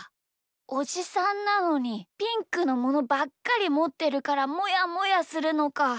おじさんなのにピンクのものばっかりもってるからもやもやするのか。